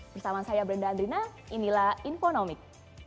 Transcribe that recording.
bersama saya brenda andrina inilah infonomik